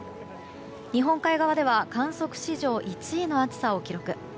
日本海側では観測史上１位の暑さを記録。